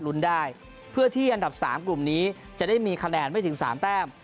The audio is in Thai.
ลุ้นได้เพื่อที่อันดับ๓กลุ่มนี้จะได้มีคะแนนไม่ถึง๓แต้ม